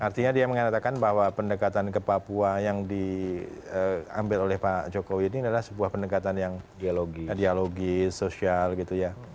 artinya dia mengatakan bahwa pendekatan ke papua yang diambil oleh pak jokowi ini adalah sebuah pendekatan yang dialogis sosial gitu ya